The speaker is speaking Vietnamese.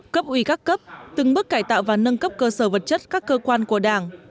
cấp ủy các cấp từng bước cải tạo và nâng cấp cơ sở vật chất các cơ quan của đảng